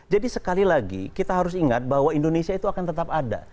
jadi sekali lagi kita harus ingat bahwa indonesia itu akan tetap ada